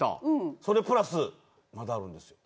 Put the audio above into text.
それプラス、まだあるんです。